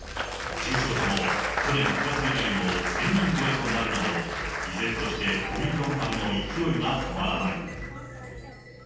重症者も去年９月以来の１０００人超えとなるなど、依然としてオミクロン株の勢いが止まらない。